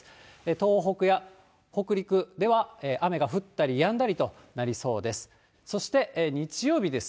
東北や北陸では、雨が降ったりやんだりとなりそうです。